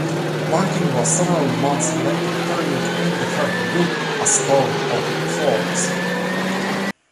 Martin was several months late turning in the third book, "A Storm of Swords".